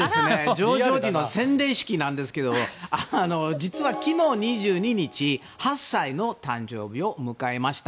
ジョージ王子の洗礼式なんですが実は、昨日２２日８歳の誕生日を迎えました。